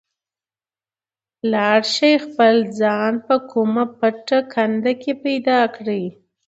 لاړ شئ خپل ځان په کومه پټه کنده کې پیدا کړئ.